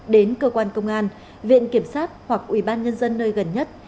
đến cơ quan công an viện kiểm sát hoặc ủy ban nhân dân nơi gần nhất